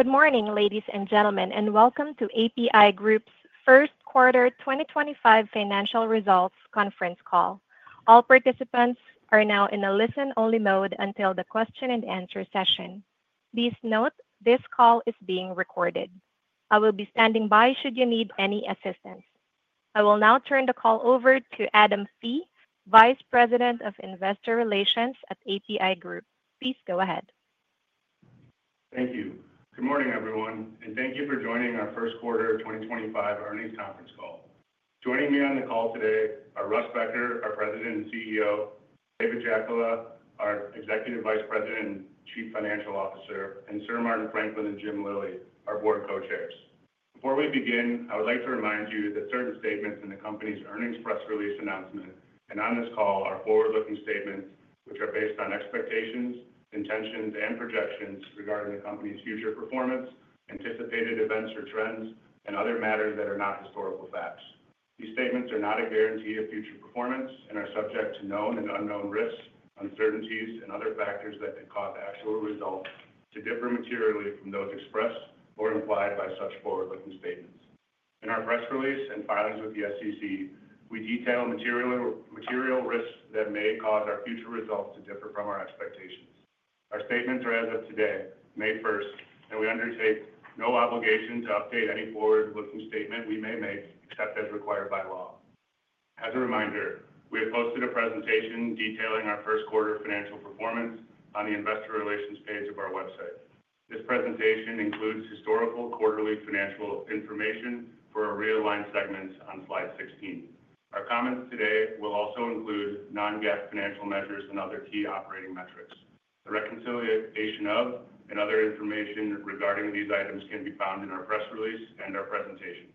Good morning, ladies and gentlemen, and welcome to APi Group's first quarter 2025 financial results conference call. All participants are now in a listen-only mode until the question-and-answer session. Please note this call is being recorded. I will be standing by should you need any assistance. I will now turn the call over to Adam Fee, Vice President of Investor Relations at APi Group. Please go ahead. Thank you. Good morning, everyone, and thank you for joining our first quarter 2025 earnings conference call. Joining me on the call today are Russ Becker, our President and CEO; David Jackola, our Executive Vice President and Chief Financial Officer; and Sir Martin Franklin and Jim Lillie, our Board Co-Chairs. Before we begin, I would like to remind you that certain statements in the company's earnings press release announcement and on this call are forward-looking statements which are based on expectations, intentions, and projections regarding the company's future performance, anticipated events or trends, and other matters that are not historical facts. These statements are not a guarantee of future performance and are subject to known and unknown risks, uncertainties, and other factors that could cause actual results to differ materially from those expressed or implied by such forward-looking statements. In our press release and filings with the SEC, we detail material risks that may cause our future results to differ from our expectations. Our statements are as of today, May 1st, and we undertake no obligation to update any forward-looking statement we may make except as required by law. As a reminder, we have posted a presentation detailing our first quarter financial performance on the Investor Relations page of our website. This presentation includes historical quarterly financial information for a realigned segment on slide 16. Our comments today will also include non-GAAP financial measures and other key operating metrics. The reconciliation of and other information regarding these items can be found in our press release and our presentation.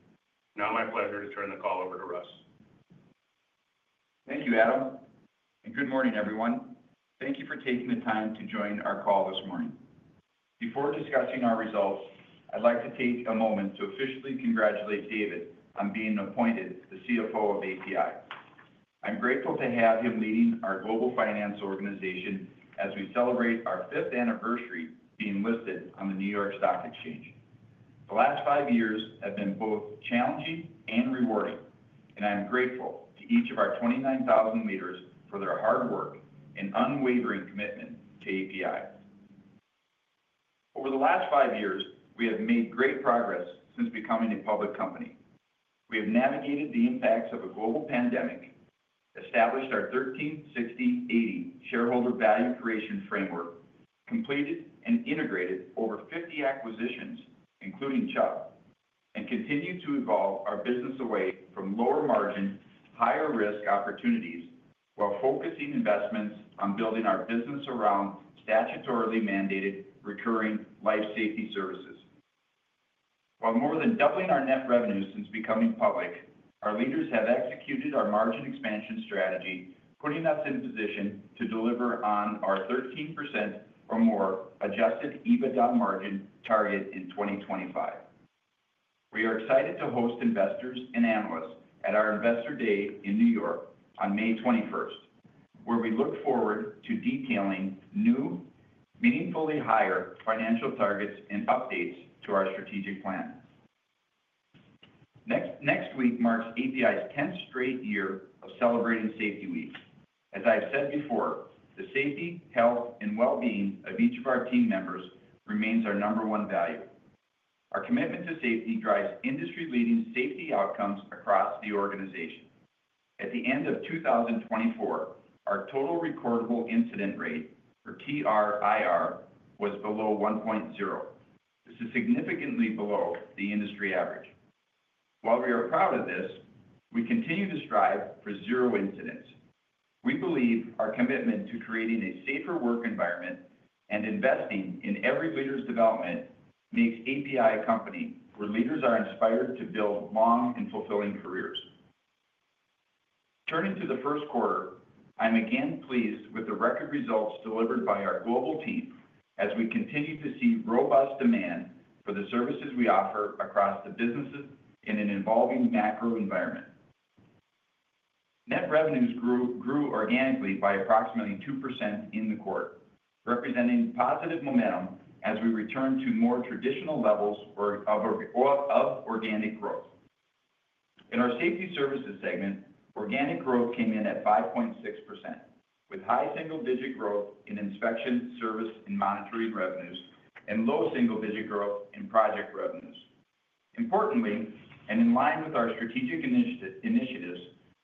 Now, my pleasure to turn the call over to Russ. Thank you, Adam. Good morning, everyone. Thank you for taking the time to join our call this morning. Before discussing our results, I'd like to take a moment to officially congratulate David on being appointed the CFO of APi. I'm grateful to have him leading our global finance organization as we celebrate our fifth anniversary being listed on the New York Stock Exchange. The last five years have been both challenging and rewarding, and I am grateful to each of our 29,000 leaders for their hard work and unwavering commitment to APi. Over the last five years, we have made great progress since becoming a public company. We have navigated the impacts of a global pandemic, established our 13/60/80 shareholder value creation framework, completed and integrated over 50 acquisitions, including Chubb, and continue to evolve our business away from lower margin, higher risk opportunities while focusing investments on building our business around statutorily mandated recurring life safety services. While more than doubling our net revenue since becoming public, our leaders have executed our margin expansion strategy, putting us in position to deliver on our 13% or more adjusted EBITDA margin target in 2025. We are excited to host investors and analysts at our Investor Day in New York on May 21st, where we look forward to detailing new, meaningfully higher financial targets and updates to our strategic plan. Next week marks APi's 10th straight year of celebrating Safety Week. As I've said before, the safety, health, and well-being of each of our team members remains our number one value. Our commitment to safety drives industry-leading safety outcomes across the organization. At the end of 2024, our total recordable incident rate, or TRIR, was below 1.0. This is significantly below the industry average. While we are proud of this, we continue to strive for zero incidents. We believe our commitment to creating a safer work environment and investing in every leader's development makes APi a company where leaders are inspired to build long and fulfilling careers. Turning to the first quarter, I'm again pleased with the record results delivered by our global team as we continue to see robust demand for the services we offer across the businesses in an evolving macro environment. Net revenues grew organically by approximately 2% in the quarter, representing positive momentum as we return to more traditional levels of organic growth. In our safety services segment, organic growth came in at 5.6%, with high single-digit growth in inspection, service, and monitoring revenues, and low single-digit growth in project revenues. Importantly, and in line with our strategic initiatives,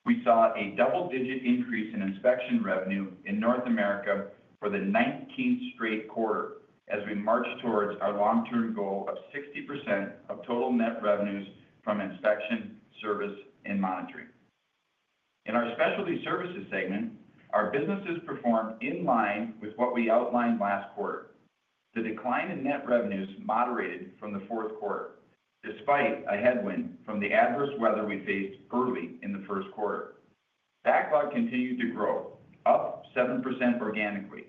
we saw a double-digit increase in inspection revenue in North America for the 19th straight quarter as we march towards our long-term goal of 60% of total net revenues from inspection, service, and monitoring. In our specialty services segment, our businesses performed in line with what we outlined last quarter. The decline in net revenues moderated from the fourth quarter, despite a headwind from the adverse weather we faced early in the first quarter. Backlog continued to grow, up 7% organically,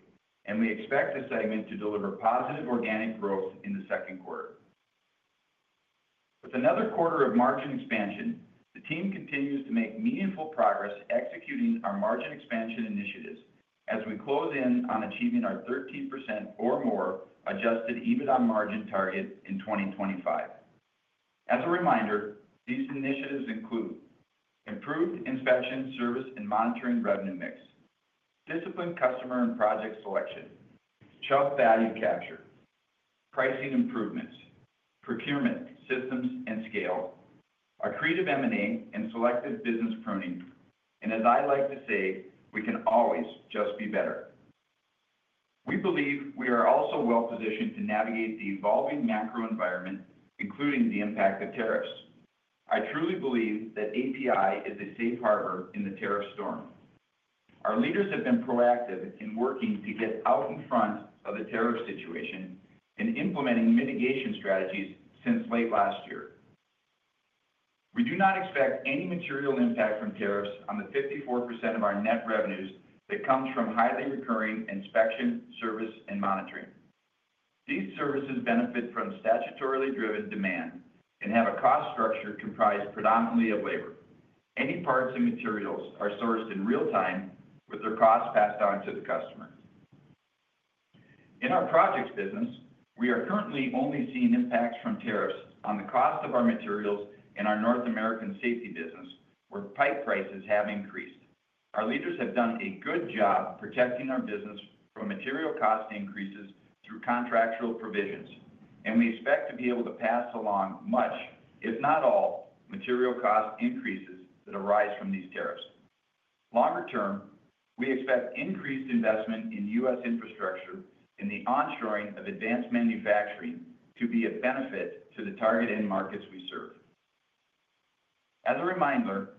and we expect the segment to deliver positive organic growth in the second quarter. With another quarter of margin expansion, the team continues to make meaningful progress executing our margin expansion initiatives as we close in on achieving our 13% or more adjusted EBITDA margin target in 2025. As a reminder, these initiatives include improved inspection, service, and monitoring revenue mix, disciplined customer and project selection, Chubb value capture, pricing improvements, procurement systems and scale, our creative M&A and selective business pruning, and as I like to say, we can always just be better. We believe we are also well-positioned to navigate the evolving macro environment, including the impact of tariffs. I truly believe that APi is a safe harbor in the tariff storm. Our leaders have been proactive in working to get out in front of the tariff situation and implementing mitigation strategies since late last year. We do not expect any material impact from tariffs on the 54% of our net revenues that comes from highly recurring inspection, service, and monitoring. These services benefit from statutorily driven demand and have a cost structure comprised predominantly of labor. Any parts and materials are sourced in real time, with their costs passed on to the customer. In our projects business, we are currently only seeing impacts from tariffs on the cost of our materials in our North American safety business, where pipe prices have increased. Our leaders have done a good job protecting our business from material cost increases through contractual provisions, and we expect to be able to pass along much, if not all, material cost increases that arise from these tariffs. Longer term, we expect increased investment in U.S. infrastructure and the onshoring of advanced manufacturing to be a benefit to the target end markets we serve. As a reminder,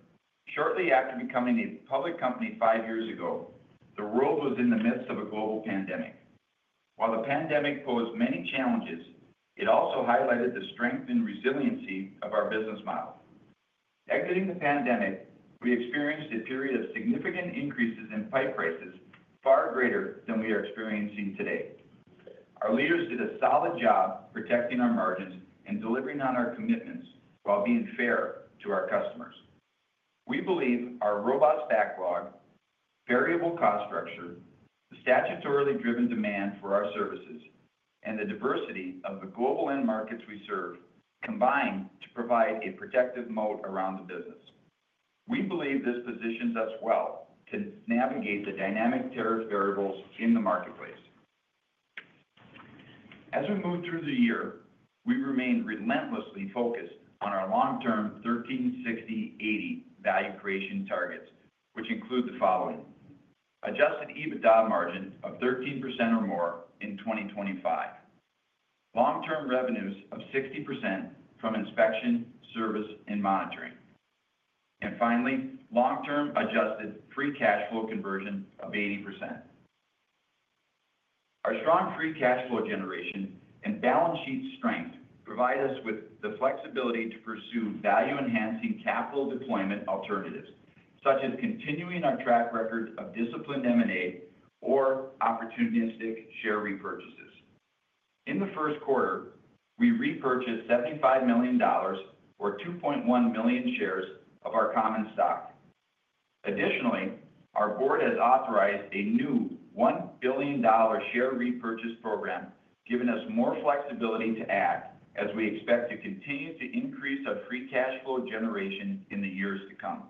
shortly after becoming a public company five years ago, the world was in the midst of a global pandemic. While the pandemic posed many challenges, it also highlighted the strength and resiliency of our business model. Exiting the pandemic, we experienced a period of significant increases in pipe prices, far greater than we are experiencing today. Our leaders did a solid job protecting our margins and delivering on our commitments while being fair to our customers. We believe our robust backlog, variable cost structure, the statutorily driven demand for our services, and the diversity of the global end markets we serve combine to provide a protective moat around the business. We believe this positions us well to navigate the dynamic tariff variables in the marketplace. As we move through the year, we remain relentlessly focused on our long-term 13/60/80 value creation targets, which include the following: adjusted EBITDA margin of 13% or more in 2025, long-term revenues of 60% from inspection, service, and monitoring, and finally, long-term adjusted free cash flow conversion of 80%. Our strong free cash flow generation and balance sheet strength provide us with the flexibility to pursue value-enhancing capital deployment alternatives, such as continuing our track record of disciplined M&A or opportunistic share repurchases. In the first quarter, we repurchased $75 million, or 2.1 million, shares of our common stock. Additionally, our board has authorized a new $1 billion share repurchase program, giving us more flexibility to act as we expect to continue to increase our free cash flow generation in the years to come.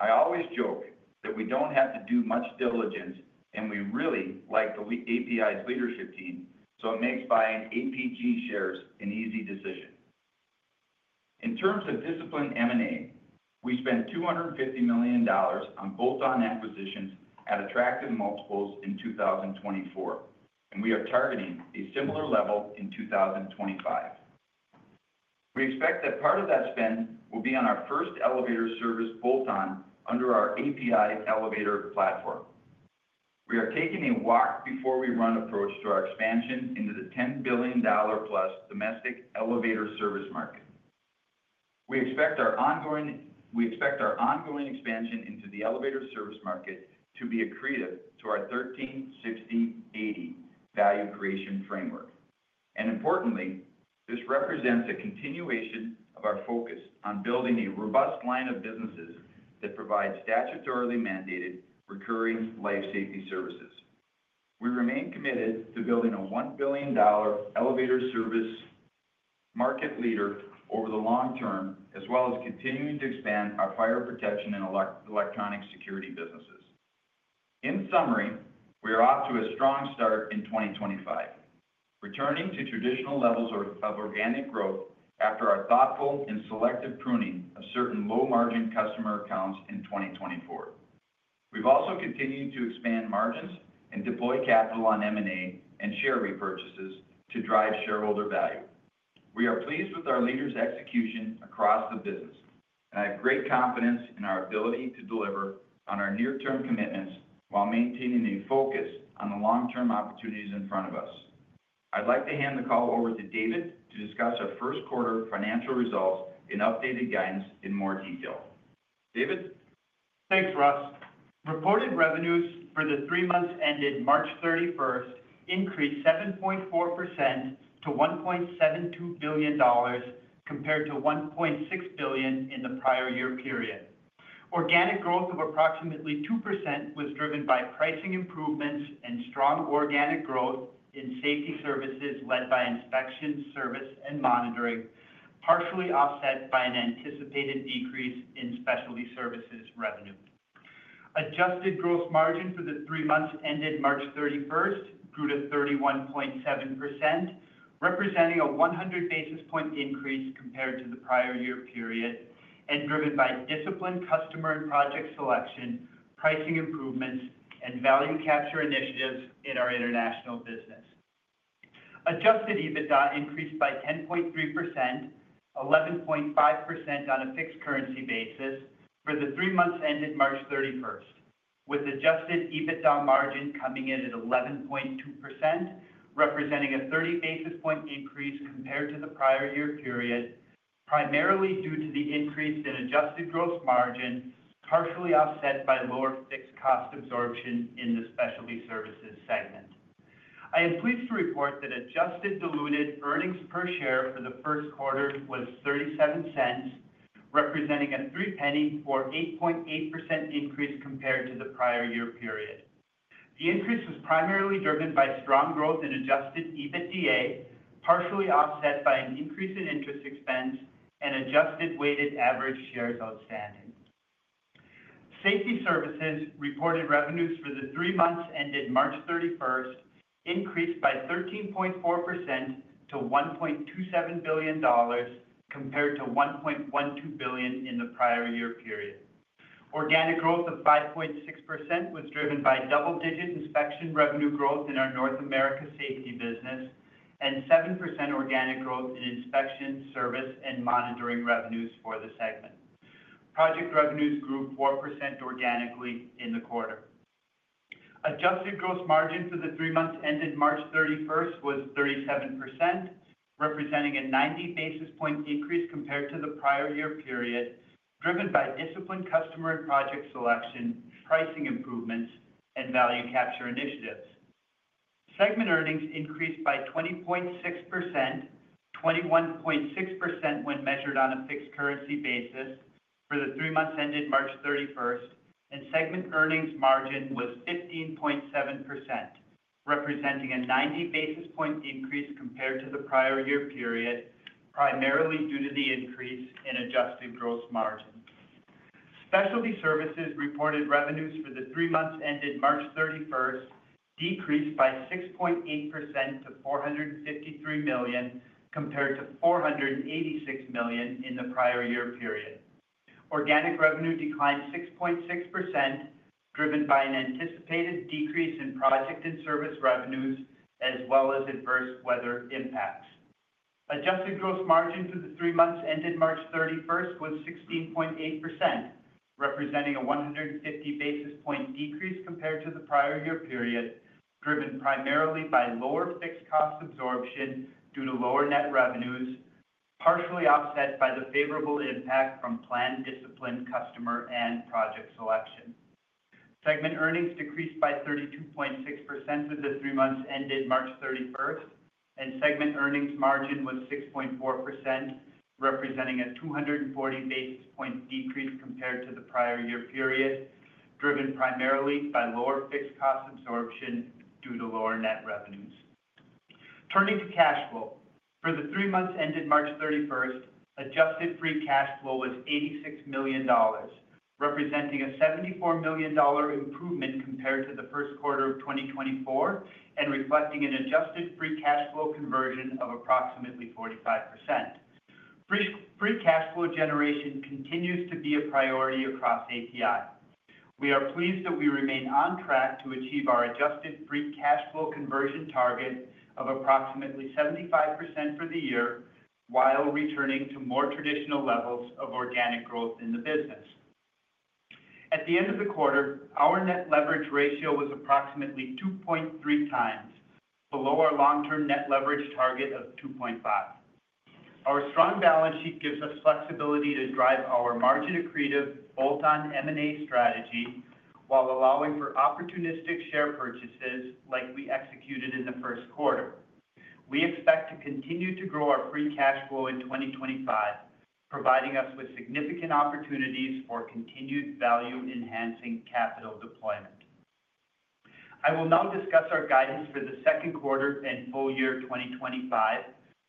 I always joke that we do not have to do much diligence, and we really like the APi's leadership team, so it makes buying APG shares an easy decision. In terms of disciplined M&A, we spent $250 million on bolt-on acquisitions at attractive multiples in 2024, and we are targeting a similar level in 2025. We expect that part of that spend will be on our first elevator service bolt-on under our APi elevator platform. We are taking a walk-before-we-run approach to our expansion into the $10 billion plus domestic elevator service market. We expect our ongoing expansion into the elevator service market to be accretive to our 13/60/80 value creation framework. Importantly, this represents a continuation of our focus on building a robust line of businesses that provide statutorily mandated recurring life safety services. We remain committed to building a $1 billion elevator service market leader over the long term, as well as continuing to expand our fire protection and electronic security businesses. In summary, we are off to a strong start in 2025, returning to traditional levels of organic growth after our thoughtful and selective pruning of certain low-margin customer accounts in 2024. We've also continued to expand margins and deploy capital on M&A and share repurchases to drive shareholder value. We are pleased with our leaders' execution across the business, and I have great confidence in our ability to deliver on our near-term commitments while maintaining a focus on the long-term opportunities in front of us. I'd like to hand the call over to David to discuss our first quarter financial results and updated guidance in more detail. David? Thanks, Russ. Reported revenues for the three months ended March 31st increased 7.4% to $1.72 billion, compared to $1.6 billion in the prior year period. Organic growth of approximately 2% was driven by pricing improvements and strong organic growth in safety services led by inspection, service, and monitoring, partially offset by an anticipated decrease in specialty services revenue. Adjusted gross margin for the three months ended March 31st grew to 31.7%, representing a 100 basis point increase compared to the prior year period, and driven by disciplined customer and project selection, pricing improvements, and value capture initiatives in our international business. Adjusted EBITDA increased by 10.3%, 11.5% on a fixed currency basis for the three months ended March 31st, with adjusted EBITDA margin coming in at 11.2%, representing a 30 basis point increase compared to the prior year period, primarily due to the increase in adjusted gross margin, partially offset by lower fixed cost absorption in the specialty services segment. I am pleased to report that adjusted diluted earnings per share for the first quarter was $0.37, representing a three-penny or 8.8% increase compared to the prior year period. The increase was primarily driven by strong growth in adjusted EBITDA, partially offset by an increase in interest expense, and adjusted weighted average shares outstanding. Safety services reported revenues for the three months ended March 31st increased by 13.4% to $1.27 billion, compared to $1.12 billion in the prior year period. Organic growth of 5.6% was driven by double-digit inspection revenue growth in our North America safety business and 7% organic growth in inspection, service, and monitoring revenues for the segment. Project revenues grew 4% organically in the quarter. Adjusted gross margin for the three months ended March 31st was 37%, representing a 90 basis point increase compared to the prior year period, driven by disciplined customer and project selection, pricing improvements, and value capture initiatives. Segment earnings increased by 20.6%, 21.6% when measured on a fixed currency basis for the three months ended March 31st, and segment earnings margin was 15.7%, representing a 90 basis point increase compared to the prior year period, primarily due to the increase in adjusted gross margin. Specialty services reported revenues for the three months ended March 31st decreased by 6.8% to $453 million compared to $486 million in the prior year period. Organic revenue declined 6.6%, driven by an anticipated decrease in project and service revenues, as well as adverse weather impacts. Adjusted gross margin for the three months ended March 31st was 16.8%, representing a 150 basis point decrease compared to the prior year period, driven primarily by lower fixed cost absorption due to lower net revenues, partially offset by the favorable impact from planned disciplined customer and project selection. Segment earnings decreased by 32.6% for the three months ended March 31st, and segment earnings margin was 6.4%, representing a 240 basis point decrease compared to the prior year period, driven primarily by lower fixed cost absorption due to lower net revenues. Turning to cash flow, for the three months ended March 31st, adjusted free cash flow was $86 million, representing a $74 million improvement compared to the first quarter of 2024 and reflecting an adjusted free cash flow conversion of approximately 45%. Free cash flow generation continues to be a priority across APi. We are pleased that we remain on track to achieve our adjusted free cash flow conversion target of approximately 75% for the year, while returning to more traditional levels of organic growth in the business. At the end of the quarter, our net leverage ratio was approximately 2.3x, below our long-term net leverage target of 2.5. Our strong balance sheet gives us flexibility to drive our margin-accretive bolt-on M&A strategy while allowing for opportunistic share purchases like we executed in the first quarter. We expect to continue to grow our free cash flow in 2025, providing us with significant opportunities for continued value-enhancing capital deployment. I will now discuss our guidance for the second quarter and full year 2025,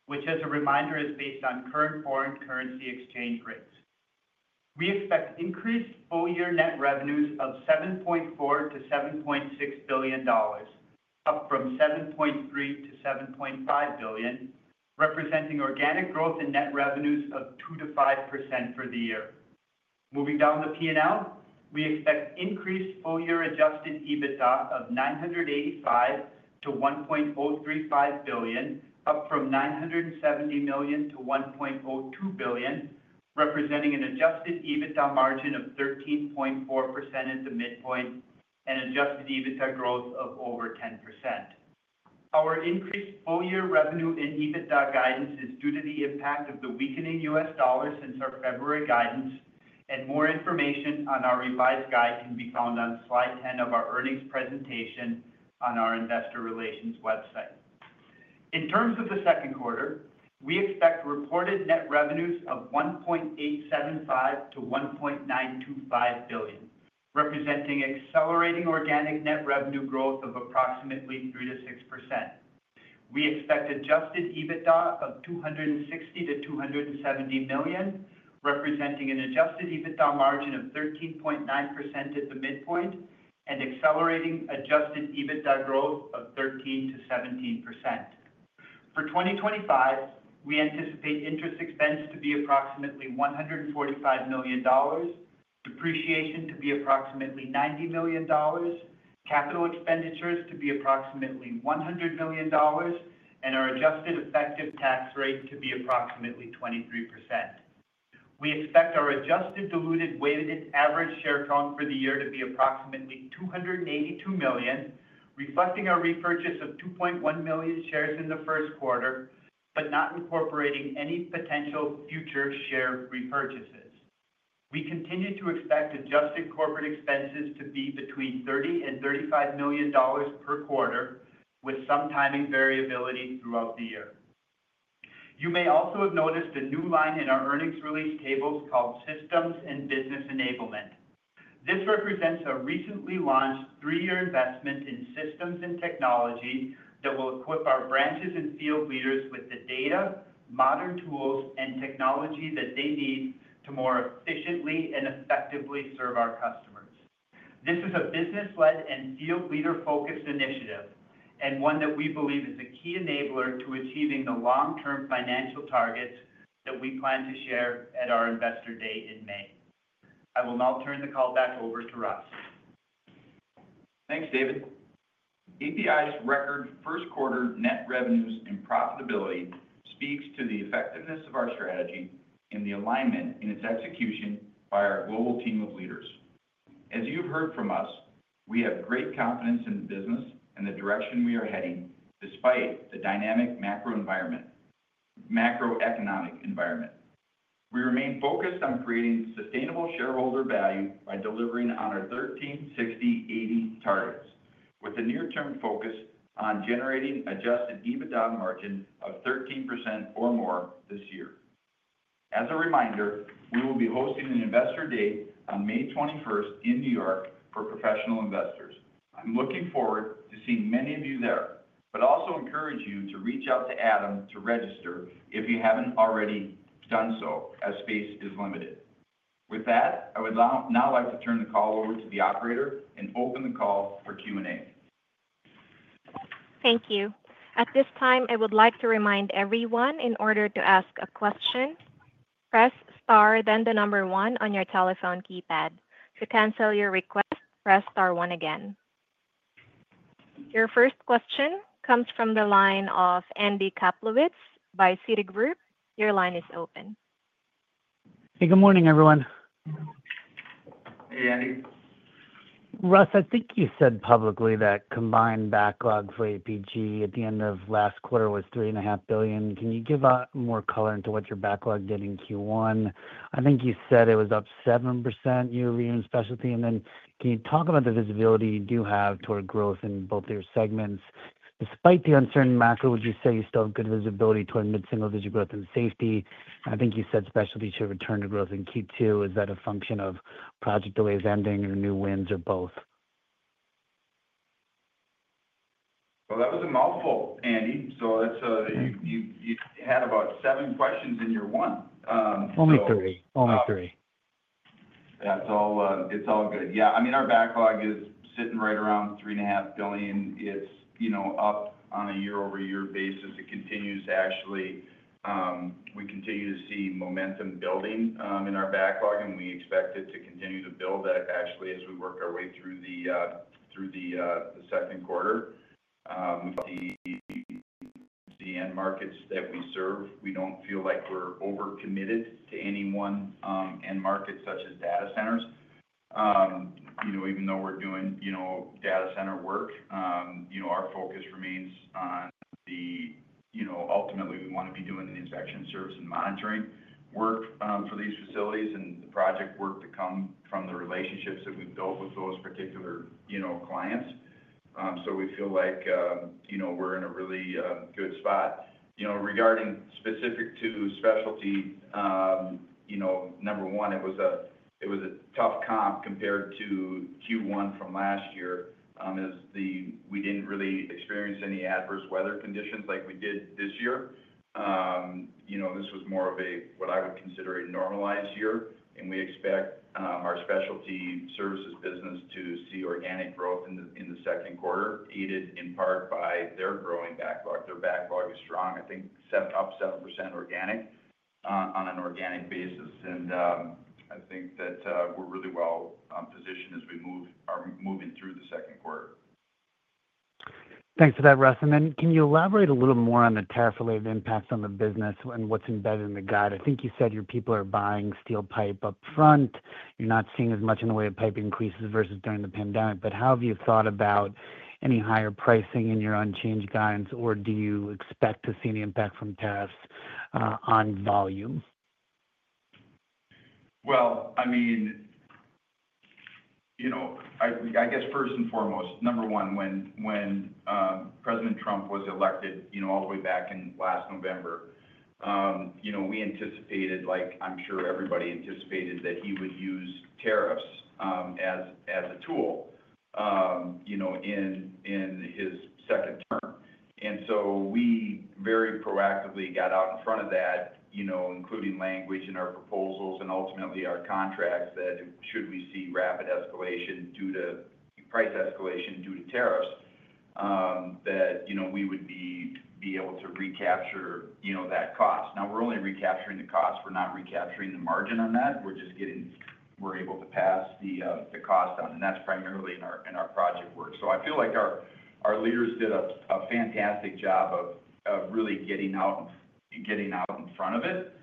which, as a reminder, is based on current foreign currency exchange rates. We expect increased full year net revenues of $7.4 billion-$7.6 billion, up from $7.3 billion-$7.5 billion, representing organic growth in net revenues of 2%-5% for the year. Moving down the P&L, we expect increased full year adjusted EBITDA of $985 million-$1.035 billion, up from $970 million-$1.02 billion, representing an adjusted EBITDA margin of 13.4% at the midpoint and adjusted EBITDA growth of over 10%. Our increased full year revenue and EBITDA guidance is due to the impact of the weakening US dollar. dollar since our February guidance, and more information on our revised guide can be found on slide 10 of our earnings presentation on our investor relations website. In terms of the second quarter, we expect reported net revenues of $1.875 billion-$1.925 billion, representing accelerating organic net revenue growth of approximately 3%-6%. We expect adjusted EBITDA of $260 million-$270 million, representing an adjusted EBITDA margin of 13.9% at the midpoint and accelerating adjusted EBITDA growth of 13%-17%. For 2025, we anticipate interest expense to be approximately $145 million, depreciation to be approximately $90 million, capital expenditures to be approximately $100 million, and our adjusted effective tax rate to be approximately 23%. We expect our adjusted diluted weighted average share count for the year to be approximately $282 million, reflecting our repurchase of $2.1 million shares in the first quarter, but not incorporating any potential future share repurchases. We continue to expect adjusted corporate expenses to be between $30 million and $35 million per quarter, with some timing variability throughout the year. You may also have noticed a new line in our earnings release tables called Systems and Business Enablement. This represents a recently launched three-year investment in systems and technology that will equip our branches and field leaders with the data, modern tools, and technology that they need to more efficiently and effectively serve our customers. This is a business-led and field-leader-focused initiative and one that we believe is a key enabler to achieving the long-term financial targets that we plan to share at our investor day in May. I will now turn the call back over to Russ. Thanks, David. APi's record first quarter net revenues and profitability speaks to the effectiveness of our strategy and the alignment in its execution by our global team of leaders. As you've heard from us, we have great confidence in the business and the direction we are heading despite the dynamic macroeconomic environment. We remain focused on creating sustainable shareholder value by delivering on our 13/60/80 targets, with a near-term focus on generating adjusted EBITDA margin of 13% or more this year. As a reminder, we will be hosting an investor day on May 21st in New York for professional investors. I'm looking forward to seeing many of you there, but also encourage you to reach out to Adam to register if you haven't already done so, as space is limited. With that, I would now like to turn the call over to the operator and open the call for Q&A. Thank you. At this time, I would like to remind everyone, in order to ask a question, press star, then the number one on your telephone keypad. To cancel your request, press star one again. Your first question comes from the line of Andi Kaplowitz by Citi Group. Your line is open. Hey, good morning, everyone. Hey, Andi. Russ, I think you said publicly that combined backlog for APG at the end of last quarter was $3.5 billion. Can you give more color into what your backlog did in Q1? I think you said it was up 7% year-over-year in specialty. Can you talk about the visibility you do have toward growth in both of your segments? Despite the uncertain macro, would you say you still have good visibility toward mid-single-digit growth in safety? I think you said specialty should return to growth in Q2. Is that a function of project delays ending or new wins or both? That was a mouthful, Andi. You had about seven questions in your one. Only three. Only three. Yeah, it's all good. Yeah, I mean, our backlog is sitting right around $3.5 billion. It's up on a year-over-year basis. It continues to actually—we continue to see momentum building in our backlog, and we expect it to continue to build, actually, as we work our way through the second quarter. With the end markets that we serve, we don't feel like we're over-committed to any one end market, such as data centers. Even though we're doing data center work, our focus remains on the—ultimately, we want to be doing the inspection, service, and monitoring work for these facilities and the project work that comes from the relationships that we've built with those particular clients. So we feel like we're in a really good spot. Regarding specific to specialty, number one, it was a tough comp compared to Q1 from last year, as we did not really experience any adverse weather conditions like we did this year. This was more of a, what I would consider, a normalized year. We expect our specialty services business to see organic growth in the second quarter, aided in part by their growing backlog. Their backlog is strong, I think, up 7% on an organic basis. I think that we are really well-positioned as we are moving through the second quarter. Thanks for that, Russ. Can you elaborate a little more on the tariff-related impacts on the business and what's embedded in the guide? I think you said your people are buying steel pipe upfront. You're not seeing as much in the way of pipe increases versus during the pandemic. How have you thought about any higher pricing in your unchanged guidance, or do you expect to see any impact from tariffs on volume? I mean, I guess first and foremost, number one, when President Trump was elected all the way back in last November, we anticipated—I am sure everybody anticipated—that he would use tariffs as a tool in his second term. We very proactively got out in front of that, including language in our proposals and ultimately our contracts, that should we see rapid escalation due to price escalation due to tariffs, we would be able to recapture that cost. Now, we are only recapturing the cost. We are not recapturing the margin on that. We are just getting—we are able to pass the cost on. That is primarily in our project work. I feel like our leaders did a fantastic job of really getting out in front of it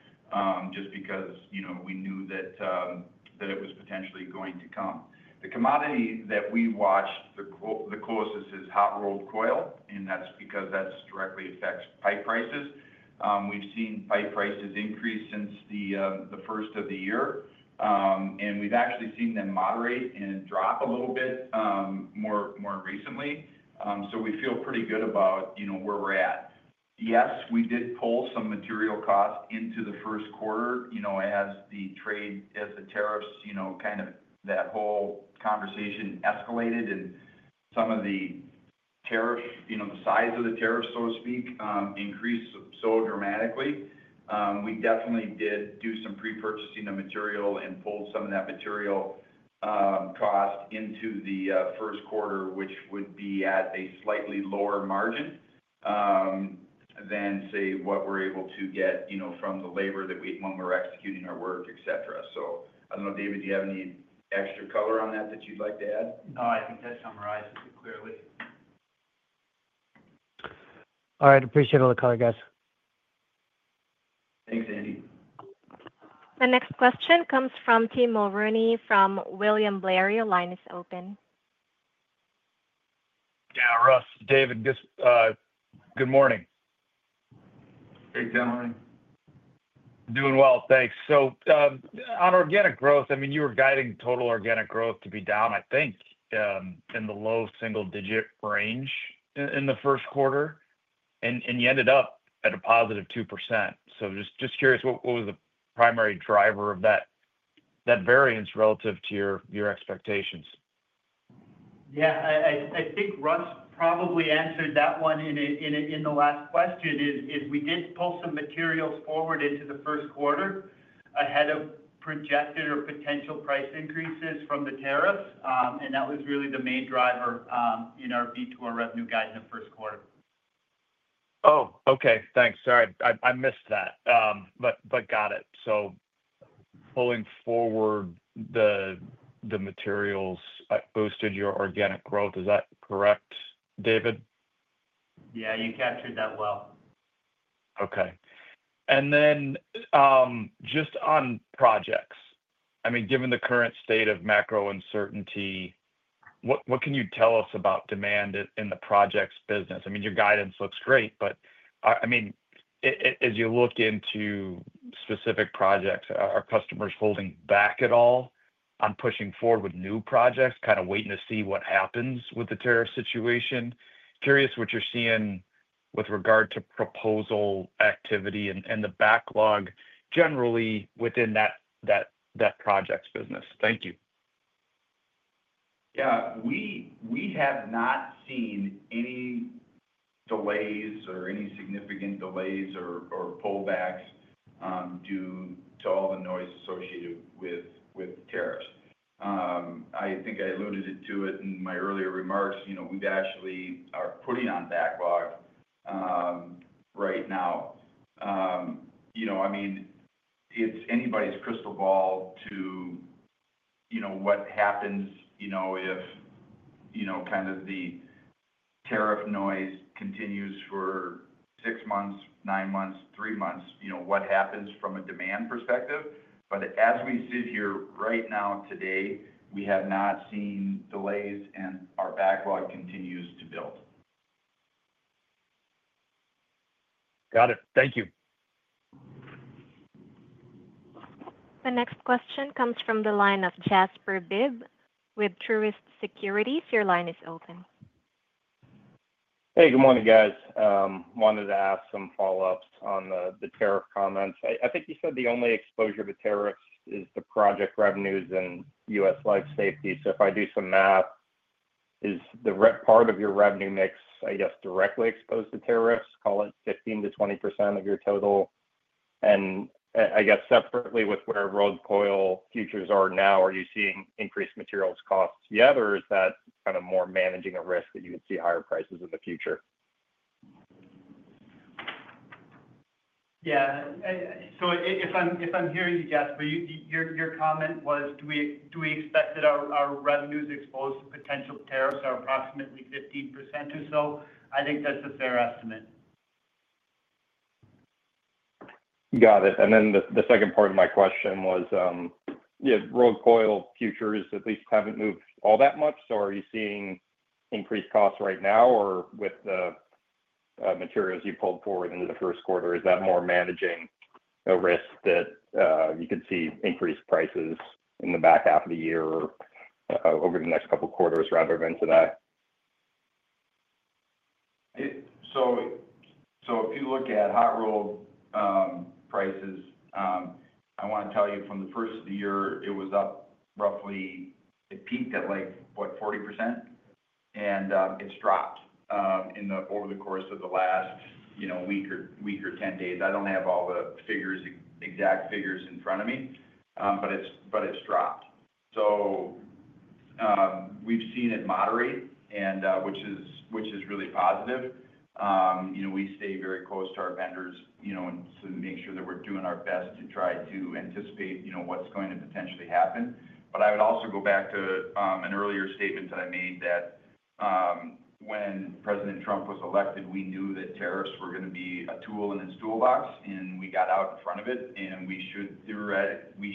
just because we knew that it was potentially going to come. The commodity that we watch the closest is hot rolled coil, and that's because that directly affects pipe prices. We've seen pipe prices increase since the first of the year, and we've actually seen them moderate and drop a little bit more recently. We feel pretty good about where we're at. Yes, we did pull some material costs into the first quarter as the tariffs kind of—that whole conversation escalated, and some of the tariff—the size of the tariff, so to speak, increased so dramatically. We definitely did do some pre-purchasing of material and pulled some of that material cost into the first quarter, which would be at a slightly lower margin than, say, what we're able to get from the labor when we're executing our work, etc. I don't know, David, do you have any extra color on that that you'd like to add? No, I think that summarizes it clearly. All right. Appreciate all the color, guys. Thanks, Andi. The next question comes from Tim Mulrooney from William Blair. Line is open. Yeah, Russ. David, good morning. Hey, Tim morning. Doing well. Thanks. On organic growth, I mean, you were guiding total organic growth to be down, I think, in the low single-digit range in the first quarter, and you ended up at a positive 2%. Just curious, what was the primary driver of that variance relative to your expectations? Yeah, I think Russ probably answered that one in the last question, is we did pull some materials forward into the first quarter ahead of projected or potential price increases from the tariffs. That was really the main driver in our V2R revenue guide in the first quarter. Oh, okay. Thanks. Sorry, I missed that, but got it. Pulling forward the materials boosted your organic growth. Is that correct, David? Yeah, you captured that well. Okay. And then just on projects, I mean, given the current state of macro uncertainty, what can you tell us about demand in the projects business? I mean, your guidance looks great, but I mean, as you look into specific projects, are customers holding back at all on pushing forward with new projects, kind of waiting to see what happens with the tariff situation? Curious what you're seeing with regard to proposal activity and the backlog generally within that projects business. Thank you. Yeah, we have not seen any delays or any significant delays or pullbacks due to all the noise associated with tariffs. I think I alluded to it in my earlier remarks. We actually are putting on backlog right now. I mean, it's anybody's crystal ball to what happens if kind of the tariff noise continues for six months, nine months, three months, what happens from a demand perspective. As we sit here right now today, we have not seen delays, and our backlog continues to build. Got it. Thank you. The next question comes from the line of Jasper Bibb with Truist Securities. Your line is open. Hey, good morning, guys. Wanted to ask some follow-ups on the tariff comments. I think you said the only exposure to tariffs is the project revenues and U.S. life safety. If I do some math, is the part of your revenue mix, I guess, directly exposed to tariffs? Call it 15%-20% of your total. I guess separately with where rolled coil futures are now, are you seeing increased materials costs yet, or is that kind of more managing a risk that you would see higher prices in the future? Yeah. If I'm hearing you, Jasper, your comment was, do we expect that our revenues exposed to potential tariffs are approximately 15% or so? I think that's a fair estimate. Got it. The second part of my question was, yeah, rolled coil futures at least have not moved all that much. Are you seeing increased costs right now, or with the materials you pulled forward into the first quarter, is that more managing a risk that you could see increased prices in the back half of the year or over the next couple of quarters rather than today? If you look at hot rolled prices, I want to tell you from the first of the year, it was up roughly, it peaked at, what, 40%, and it's dropped over the course of the last week or 10 days. I don't have all the exact figures in front of me, but it's dropped. We've seen it moderate, which is really positive. We stay very close to our vendors to make sure that we're doing our best to try to anticipate what's going to potentially happen. I would also go back to an earlier statement that I made that when President Trump was elected, we knew that tariffs were going to be a tool in his toolbox, and we got out in front of it. We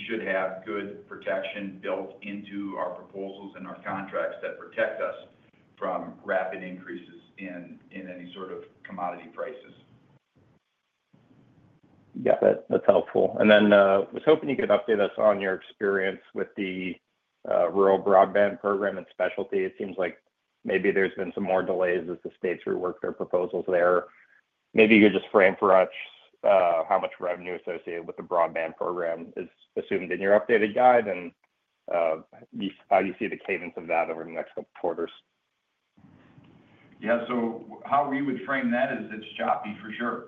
should have good protection built into our proposals and our contracts that protect us from rapid increases in any sort of commodity prices. Got it. That's helpful. I was hoping you could update us on your experience with the rural broadband program and specialty. It seems like maybe there's been some more delays as the states rework their proposals there. Maybe you could just frame for us how much revenue associated with the broadband program is assumed in your updated guide and how you see the cadence of that over the next couple of quarters. Yeah. How we would frame that is it's choppy, for sure.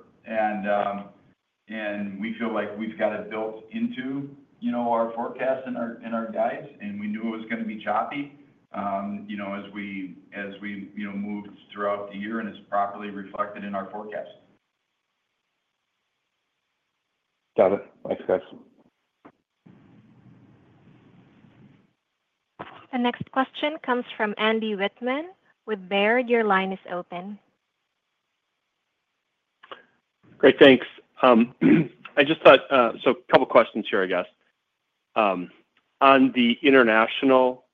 We feel like we've got it built into our forecasts and our guides, and we knew it was going to be choppy as we moved throughout the year, and it's properly reflected in our forecast. Got it. Thanks, guys. The next question comes from Andy Wittman with Baird. Your line is open. Great. Thanks. I just thought, so a couple of questions here, I guess. On the international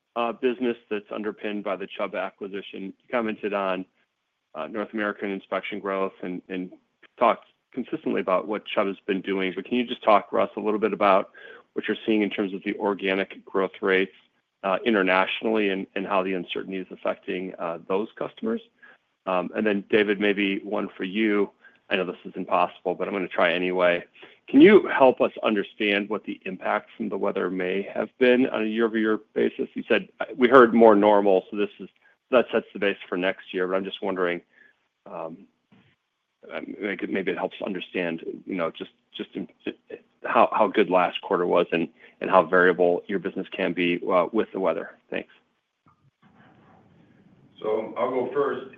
business that's underpinned by the Chubb acquisition, you commented on North American inspection growth and talked consistently about what Chubb has been doing. Can you just talk, Russ, a little bit about what you're seeing in terms of the organic growth rates internationally and how the uncertainty is affecting those customers? David, maybe one for you. I know this is impossible, but I'm going to try anyway. Can you help us understand what the impact from the weather may have been on a year-over-year basis? You said we heard more normal, so that sets the base for next year. I'm just wondering, maybe it helps understand just how good last quarter was and how variable your business can be with the weather. Thanks. I'll go first.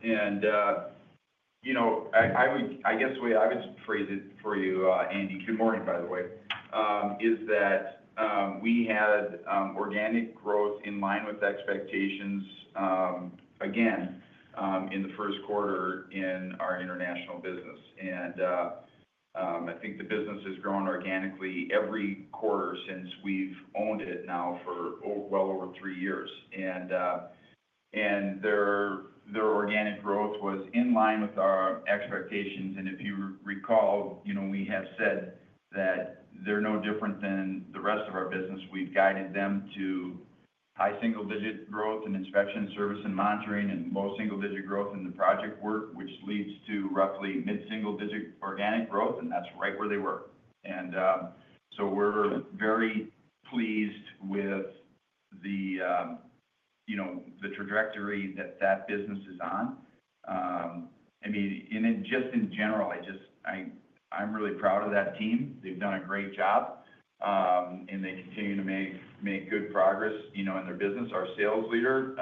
I guess the way I would phrase it for you, Andy—good morning, by the way—is that we had organic growth in line with expectations again in the first quarter in our international business. I think the business has grown organically every quarter since we've owned it now for well over three years. Their organic growth was in line with our expectations. If you recall, we have said that they're no different than the rest of our business. We've guided them to high single-digit growth in inspection service and monitoring and low single-digit growth in the project work, which leads to roughly mid-single-digit organic growth, and that's right where they were. We're very pleased with the trajectory that that business is on. I mean, just in general, I'm really proud of that team. They've done a great job, and they continue to make good progress in their business. Our sales leader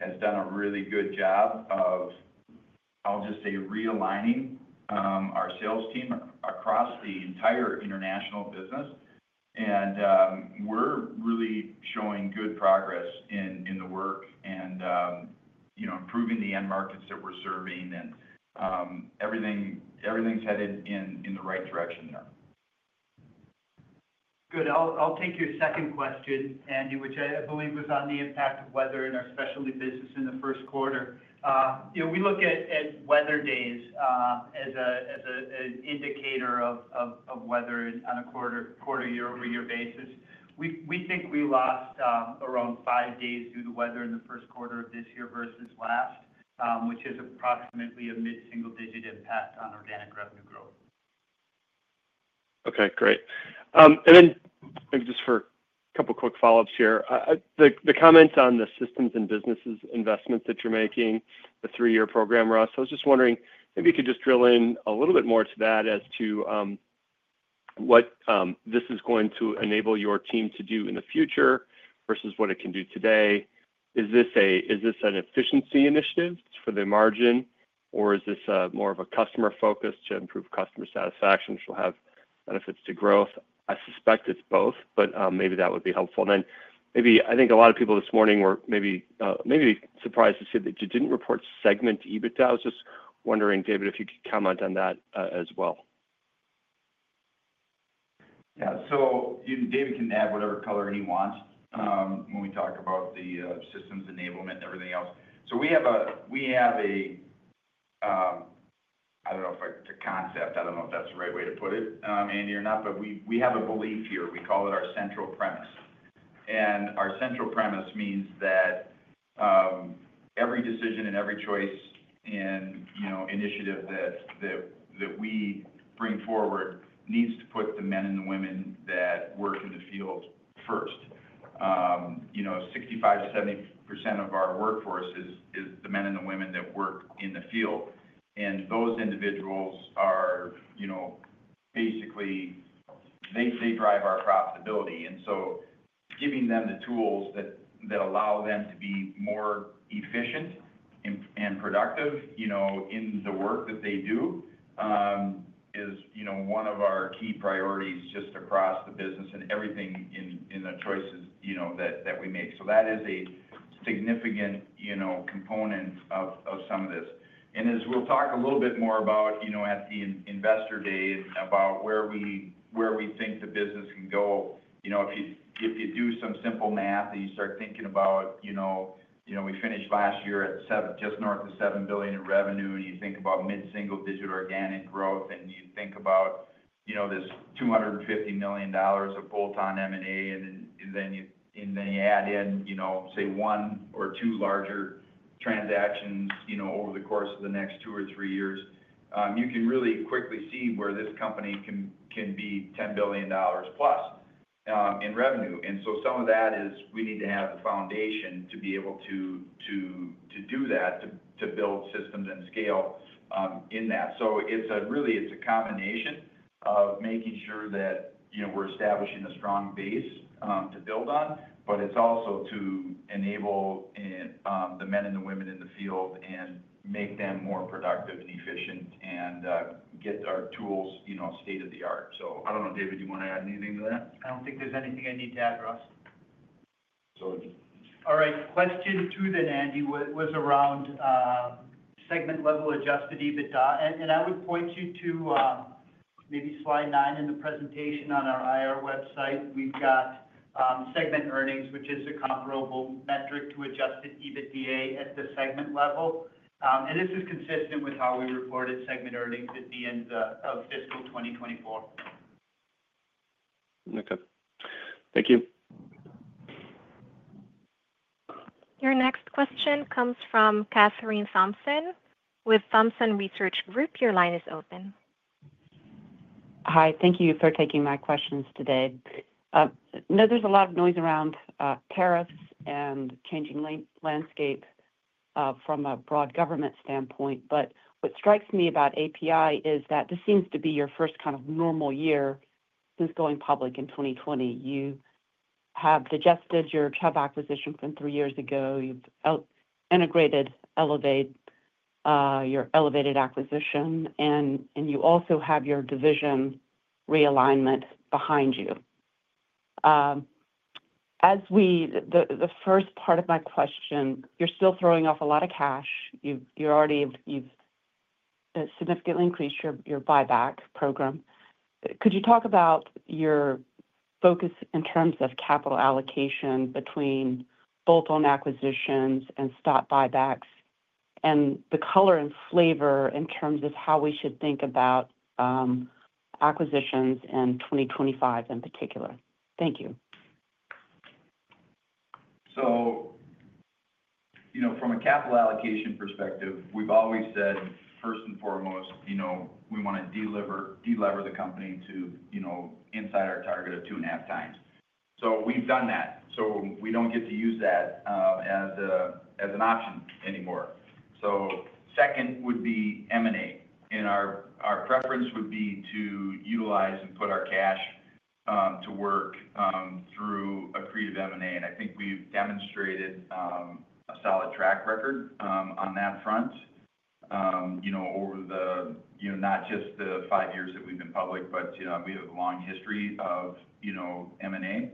has done a really good job of, I'll just say, realigning our sales team across the entire international business. We're really showing good progress in the work and improving the end markets that we're serving, and everything's headed in the right direction there. Good. I'll take your second question, Andy, which I believe was on the impact of weather in our specialty business in the first quarter. We look at weather days as an indicator of weather on a quarter-year-over-year basis. We think we lost around five days due to weather in the first quarter of this year versus last, which is approximately a mid-single-digit impact on organic revenue growth. Okay. Great. Just for a couple of quick follow-ups here, the comments on the systems and businesses investments that you're making, the three-year program, Russ, I was just wondering if you could just drill in a little bit more to that as to what this is going to enable your team to do in the future versus what it can do today. Is this an efficiency initiative for the margin, or is this more of a customer focus to improve customer satisfaction, which will have benefits to growth? I suspect it's both, but maybe that would be helpful. I think a lot of people this morning were maybe surprised to see that you didn't report segment EBITDA. I was just wondering, David, if you could comment on that as well. Yeah. David can add whatever color he wants when we talk about the systems enablement and everything else. We have a—I do not know if I—the concept, I do not know if that is the right way to put it, Andy, or not, but we have a belief here. We call it our central premise. Our central premise means that every decision and every choice and initiative that we bring forward needs to put the men and the women that work in the field first. 65%-70% of our workforce is the men and the women that work in the field. Those individuals are basically—they drive our profitability. Giving them the tools that allow them to be more efficient and productive in the work that they do is one of our key priorities just across the business and everything in the choices that we make. That is a significant component of some of this. As we'll talk a little bit more about at the investor day and about where we think the business can go, if you do some simple math and you start thinking about we finished last year at just north of $7 billion in revenue, and you think about mid-single-digit organic growth, and you think about this $250 million of bolt-on M&A, and then you add in, say, one or two larger transactions over the course of the next two or three years, you can really quickly see where this company can be $10 billion plus in revenue. Some of that is we need to have the foundation to be able to do that, to build systems and scale in that. It is really a combination of making sure that we're establishing a strong base to build on, but it's also to enable the men and the women in the field and make them more productive and efficient and get our tools state-of-the-art. I don't know, David, do you want to add anything to that? I don't think there's anything I need to add, Russ. So. All right. Question two then, Andy, was around segment-level adjusted EBITDA. I would point you to maybe slide nine in the presentation on our IR website. We've got segment earnings, which is a comparable metric to adjusted EBITDA at the segment level. This is consistent with how we reported segment earnings at the end of fiscal 2024. Okay. Thank you. Your next question comes from Kathryn Thompson with Thompson Research Group. Your line is open. Hi. Thank you for taking my questions today. There's a lot of noise around tariffs and changing landscape from a broad government standpoint. What strikes me about APi is that this seems to be your first kind of normal year since going public in 2020. You have digested your Chubb acquisition from three years ago. You've integrated your elevator acquisition, and you also have your division realignment behind you. The first part of my question, you're still throwing off a lot of cash. You've significantly increased your buyback program. Could you talk about your focus in terms of capital allocation between bolt-on acquisitions and stock buybacks and the color and flavor in terms of how we should think about acquisitions in 2025 in particular? Thank you. From a capital allocation perspective, we've always said, first and foremost, we want to deliver the company to inside our target of 2.5x. We've done that. We don't get to use that as an option anymore. Second would be M&A. Our preference would be to utilize and put our cash to work through accretive M&A. I think we've demonstrated a solid track record on that front over not just the five years that we've been public, but we have a long history of M&A.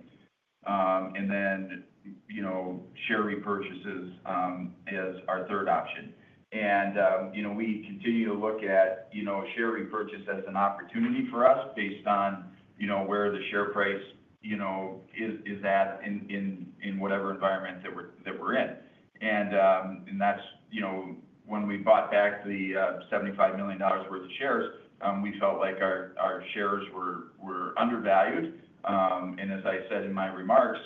Share repurchases are our third option. We continue to look at share repurchase as an opportunity for us based on where the share price is at in whatever environment that we're in. When we bought back the $75 million worth of shares, we felt like our shares were undervalued. As I said in my remarks,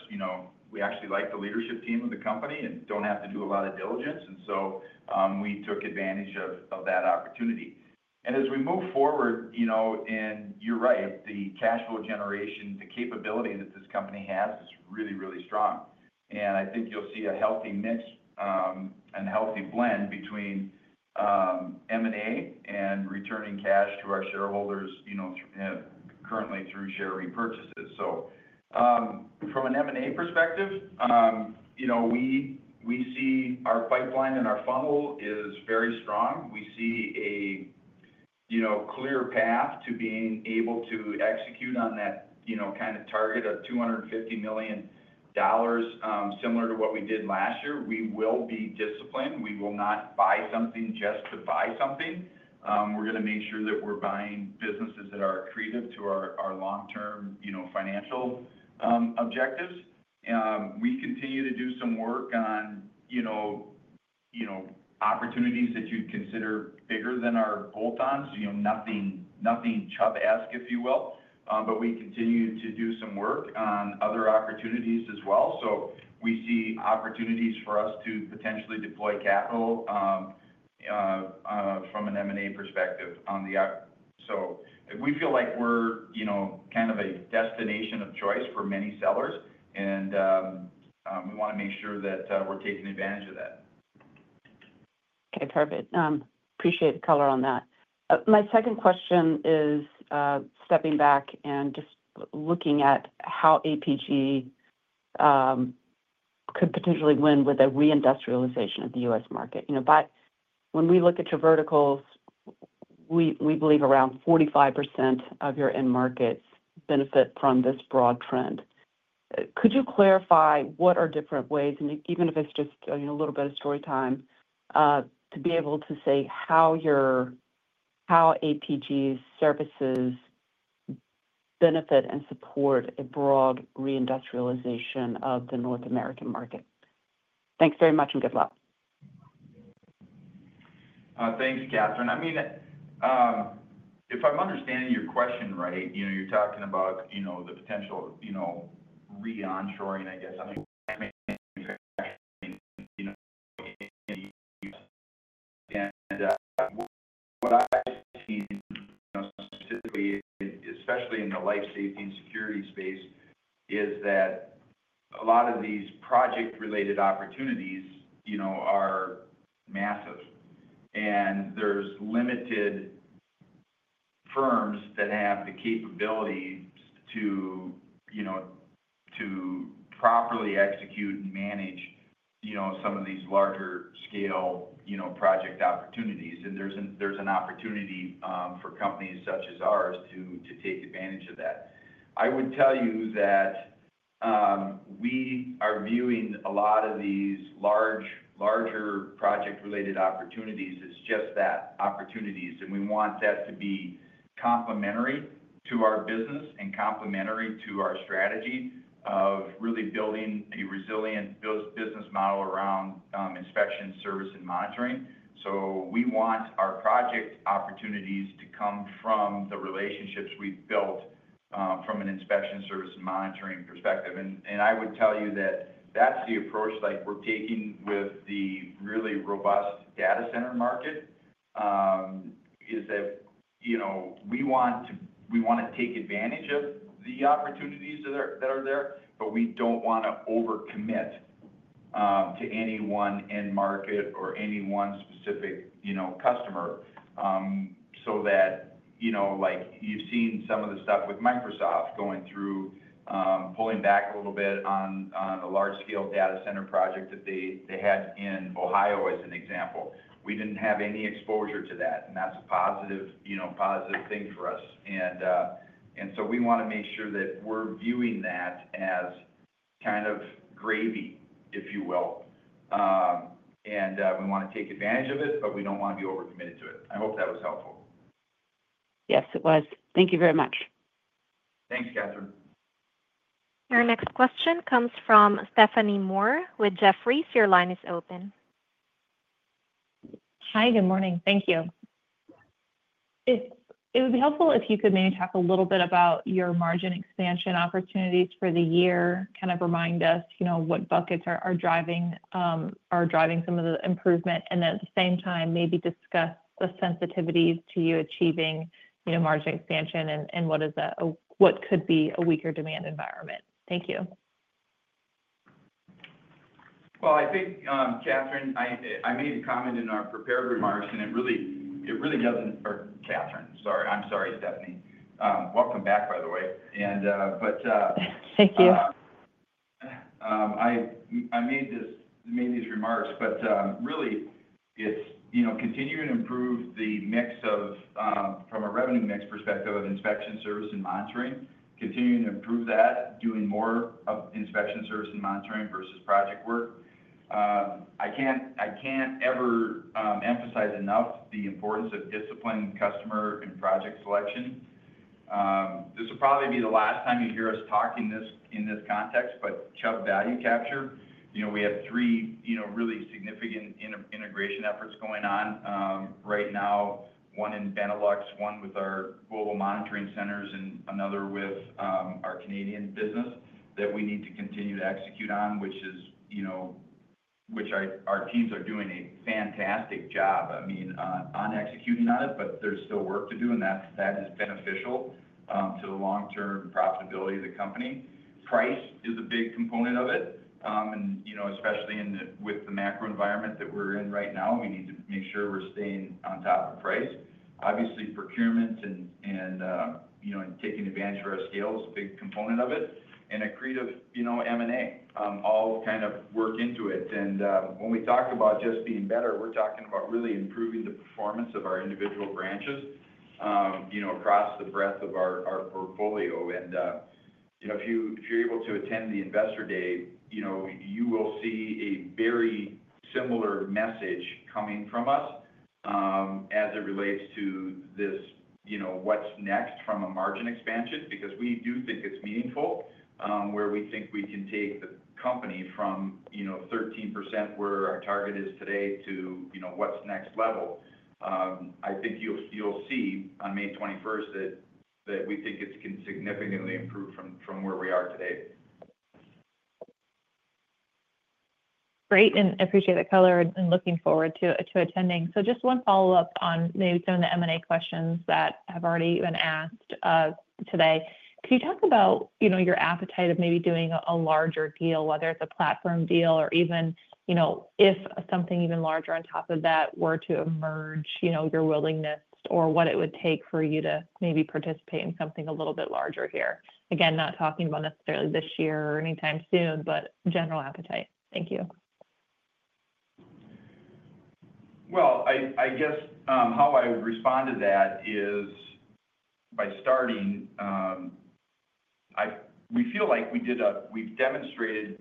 we actually like the leadership team of the company and do not have to do a lot of diligence. We took advantage of that opportunity. As we move forward, you are right, the cash flow generation, the capability that this company has is really, really strong. I think you will see a healthy mix and healthy blend between M&A and returning cash to our shareholders currently through share repurchases. From an M&A perspective, we see our pipeline and our funnel is very strong. We see a clear path to being able to execute on that kind of target of $250 million, similar to what we did last year. We will be disciplined. We will not buy something just to buy something. We are going to make sure that we are buying businesses that are accretive to our long-term financial objectives. We continue to do some work on opportunities that you'd consider bigger than our bolt-ons, nothing Chubb-esque, if you will. We continue to do some work on other opportunities as well. We see opportunities for us to potentially deploy capital from an M&A perspective on the out. We feel like we're kind of a destination of choice for many sellers, and we want to make sure that we're taking advantage of that. Okay. Perfect. Appreciate the color on that. My second question is stepping back and just looking at how APG could potentially win with a reindustrialization of the U.S. market. When we look at your verticals, we believe around 45% of your end markets benefit from this broad trend. Could you clarify what are different ways, and even if it's just a little bit of story time, to be able to say how APG's services benefit and support a broad reindustrialization of the North American market? Thanks very much and good luck. Thanks, Kathryn. I mean, if I'm understanding your question right, you're talking about the potential re-onshoring, I guess, manufacturing in the U.S. What I've seen, specifically, especially in the life safety and security space, is that a lot of these project-related opportunities are massive. There's limited firms that have the capability to properly execute and manage some of these larger-scale project opportunities. There's an opportunity for companies such as ours to take advantage of that. I would tell you that we are viewing a lot of these larger project-related opportunities as just that, opportunities. We want that to be complementary to our business and complementary to our strategy of really building a resilient business model around inspection, service, and monitoring. We want our project opportunities to come from the relationships we've built from an inspection, service, and monitoring perspective. I would tell you that that's the approach that we're taking with the really robust data center market, is that we want to take advantage of the opportunities that are there, but we don't want to overcommit to any one end market or any one specific customer so that you've seen some of the stuff with Microsoft going through pulling back a little bit on a large-scale data center project that they had in Ohio as an example. We didn't have any exposure to that, and that's a positive thing for us. We want to make sure that we're viewing that as kind of gravy, if you will. We want to take advantage of it, but we don't want to be overcommitted to it. I hope that was helpful. Yes, it was. Thank you very much. Thanks, Kathryn. Your next question comes from Stephanie Moore with Jefferies. Your line is open. Hi. Good morning. Thank you. It would be helpful if you could maybe talk a little bit about your margin expansion opportunities for the year, kind of remind us what buckets are driving some of the improvement, and then at the same time, maybe discuss the sensitivities to you achieving margin expansion and what could be a weaker demand environment. Thank you. I think, Kathryn, I made a comment in our prepared remarks, and it really does not—or Kathryn, sorry. I am sorry, Stephanie. Welcome back, by the way. Thank you. I made these remarks, but really, it's continuing to improve the mix from a revenue mix perspective of inspection, service, and monitoring, continuing to improve that, doing more of inspection, service, and monitoring versus project work. I can't ever emphasize enough the importance of discipline, customer, and project selection. This will probably be the last time you hear us talk in this context, but Chubb value capture, we have three really significant integration efforts going on right now, one in Benelux, one with our global monitoring centers, and another with our Canadian business that we need to continue to execute on, which our teams are doing a fantastic job, I mean, on executing on it, but there's still work to do, and that is beneficial to the long-term profitability of the company. Price is a big component of it. Especially with the macro environment that we're in right now, we need to make sure we're staying on top of price. Obviously, procurement and taking advantage of our scale is a big component of it. Accretive M&A all kind of work into it. When we talk about just being better, we're talking about really improving the performance of our individual branches across the breadth of our portfolio. If you're able to attend the investor day, you will see a very similar message coming from us as it relates to this what's next from a margin expansion because we do think it's meaningful where we think we can take the company from 13% where our target is today to what's next level. I think you'll see on May 21st that we think it can significantly improve from where we are today. Great. I appreciate the color and looking forward to attending. Just one follow-up on maybe some of the M&A questions that have already been asked today. Could you talk about your appetite of maybe doing a larger deal, whether it's a platform deal or even if something even larger on top of that were to emerge, your willingness or what it would take for you to maybe participate in something a little bit larger here? Again, not talking about necessarily this year or anytime soon, but general appetite. Thank you. I guess how I would respond to that is by starting, we feel like we've demonstrated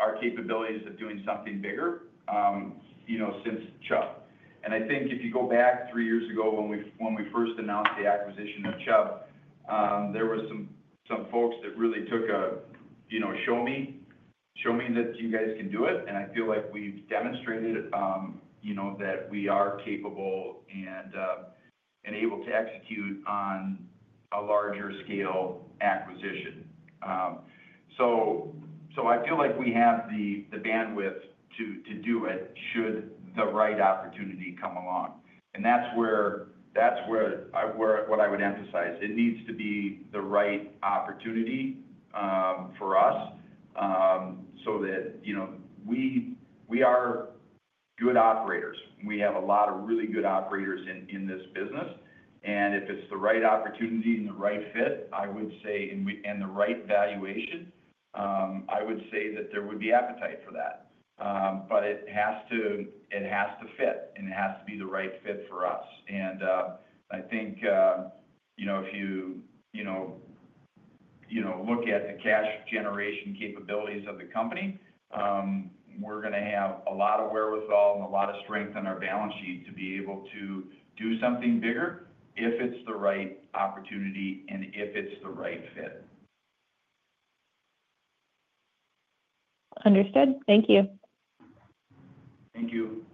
our capabilities of doing something bigger since Chubb. I think if you go back three years ago when we first announced the acquisition of Chubb, there were some folks that really took a, "Show me that you guys can do it." I feel like we've demonstrated that we are capable and able to execute on a larger-scale acquisition. I feel like we have the bandwidth to do it should the right opportunity come along. That is what I would emphasize. It needs to be the right opportunity for us so that we are good operators. We have a lot of really good operators in this business. If it's the right opportunity and the right fit, I would say, and the right valuation, I would say that there would be appetite for that. It has to fit, and it has to be the right fit for us. I think if you look at the cash generation capabilities of the company, we're going to have a lot of wherewithal and a lot of strength on our balance sheet to be able to do something bigger if it's the right opportunity and if it's the right fit. Understood. Thank you. Thank you.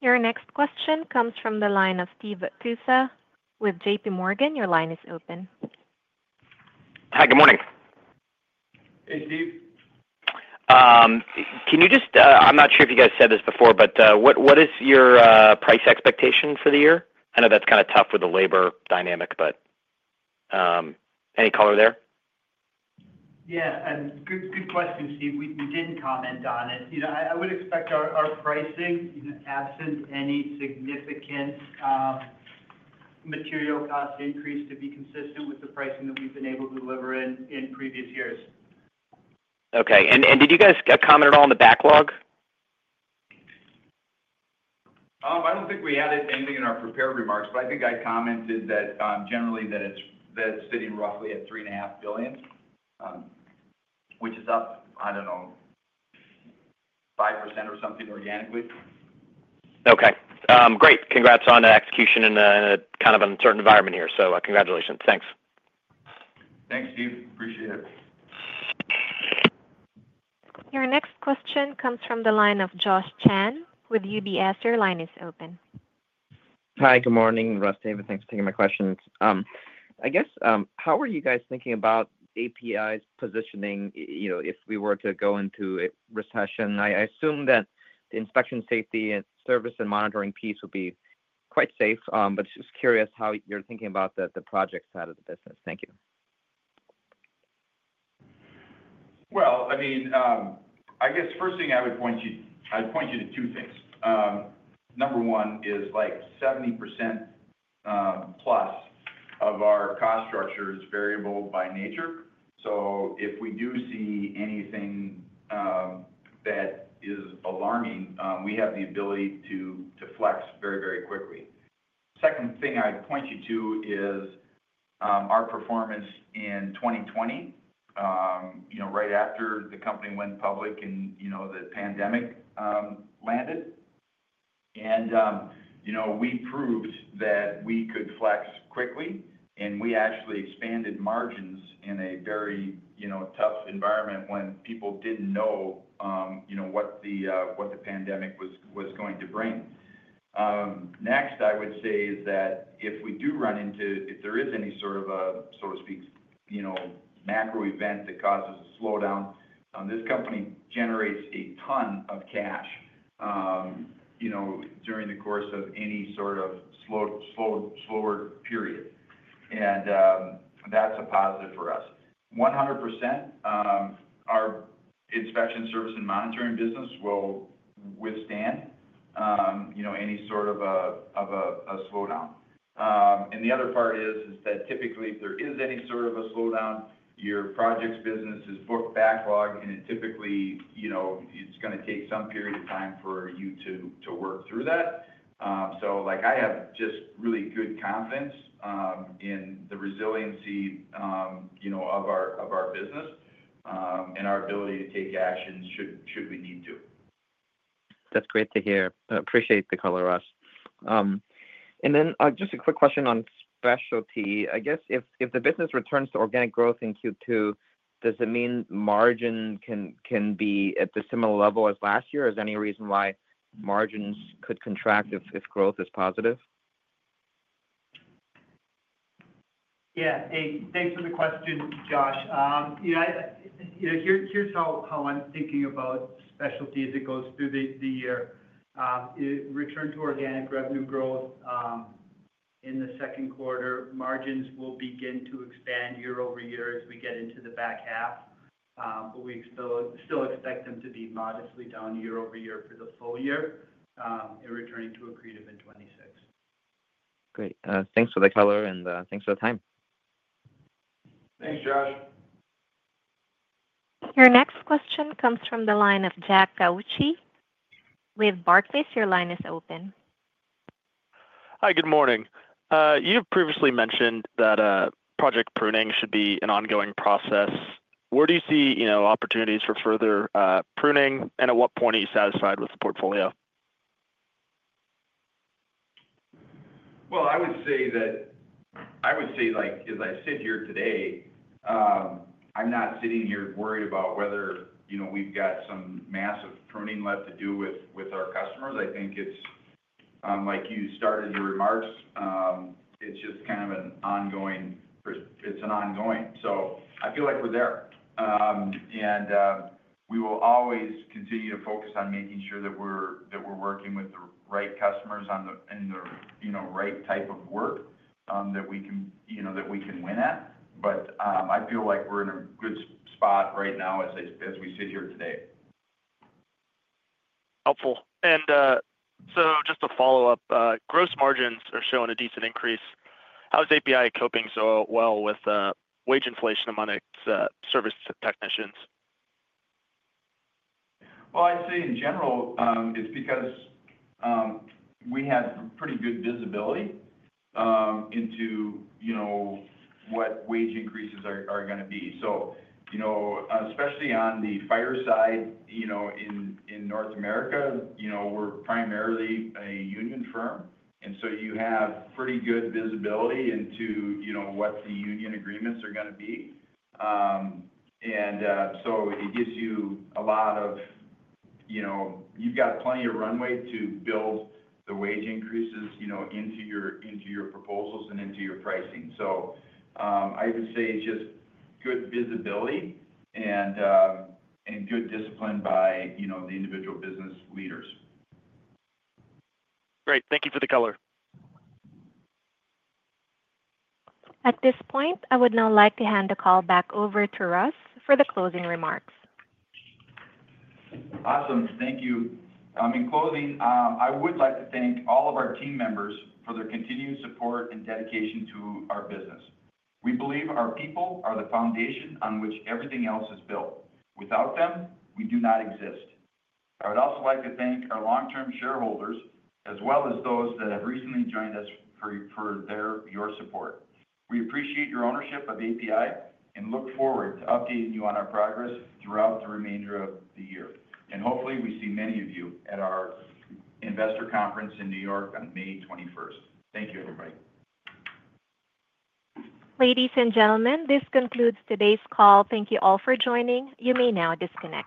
Your next question comes from the line of Steve Tusa with JPMorgan. Your line is open. Hi. Good morning. Hey, Steve. Can you just—I am not sure if you guys said this before, but what is your price expectation for the year? I know that is kind of tough with the labor dynamic, but any color there? Yeah. Good question, Steve. We did not comment on it. I would expect our pricing, absent any significant material cost increase, to be consistent with the pricing that we have been able to deliver in previous years. Okay. Did you guys comment at all on the backlog? I don't think we added anything in our prepared remarks, but I think I commented generally that it's sitting roughly at $3.5 billion, which is up, I don't know, 5% or something organically. Okay. Great. Congrats on the execution in kind of uncertain environment here. So congratulations. Thanks. Thanks, Steve. Appreciate it. Your next question comes from the line of Josh Chen with UBS. Your line is open. Hi. Good morning, Russ Davis. Thanks for taking my questions. I guess, how are you guys thinking about APi's positioning if we were to go into a recession? I assume that the inspection, safety, and service and monitoring piece would be quite safe, but just curious how you're thinking about the project side of the business. Thank you. I mean, I guess first thing I would point you—I would point you to two things. Number one is like 70%+ of our cost structure is variable by nature. If we do see anything that is alarming, we have the ability to flex very, very quickly. Second thing I would point you to is our performance in 2020, right after the company went public and the pandemic landed. We proved that we could flex quickly, and we actually expanded margins in a very tough environment when people did not know what the pandemic was going to bring. Next, I would say is that if we do run into—if there is any sort of a, so to speak, macro event that causes a slowdown, this company generates a ton of cash during the course of any sort of slower period. That is a positive for us. 100%, our inspection, service, and monitoring business will withstand any sort of a slowdown. The other part is that typically, if there is any sort of a slowdown, your project's business is booked backlog, and typically, it's going to take some period of time for you to work through that. I have just really good confidence in the resiliency of our business and our ability to take action should we need to. That's great to hear. Appreciate the color, Russ. Just a quick question on specialty. I guess if the business returns to organic growth in Q2, does it mean margin can be at the similar level as last year? Is there any reason why margins could contract if growth is positive? Yeah. Thanks for the question, Josh. Here's how I'm thinking about specialty as it goes through the year. Return to organic revenue growth in the second quarter, margins will begin to expand year-over-year as we get into the back half. We still expect them to be modestly down year-over-year for the full year and returning to accretive in 2026. Great. Thanks for the color, and thanks for the time. Thanks, Josh. Your next question comes from the line of Jack Cauchi with Barclays. Your line is open. Hi. Good morning. You've previously mentioned that project pruning should be an ongoing process. Where do you see opportunities for further pruning, and at what point are you satisfied with the portfolio? I would say that I would say, as I sit here today, I'm not sitting here worried about whether we've got some massive pruning left to do with our customers. I think it's like you started your remarks. It's just kind of an ongoing—it's an ongoing. I feel like we're there. And we will always continue to focus on making sure that we're working with the right customers and the right type of work that we can win at. I feel like we're in a good spot right now as we sit here today. Helpful. Just to follow up, gross margins are showing a decent increase. How is APi coping so well with wage inflation among its service technicians? I would say in general, it's because we have pretty good visibility into what wage increases are going to be. Especially on the fire side in North America, we're primarily a union firm. You have pretty good visibility into what the union agreements are going to be. It gives you plenty of runway to build the wage increases into your proposals and into your pricing. I would say just good visibility and good discipline by the individual business leaders. Great. Thank you for the color. At this point, I would now like to hand the call back over to Russ for the closing remarks. Awesome. Thank you. In closing, I would like to thank all of our team members for their continued support and dedication to our business. We believe our people are the foundation on which everything else is built. Without them, we do not exist. I would also like to thank our long-term shareholders as well as those that have recently joined us for your support. We appreciate your ownership of APi and look forward to updating you on our progress throughout the remainder of the year. Hopefully, we see many of you at our investor conference in New York on May 21st. Thank you, everybody. Ladies and gentlemen, this concludes today's call. Thank you all for joining. You may now disconnect.